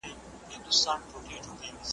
محصلان په هر سمستر کې سیمینارونه وړاندې کوي.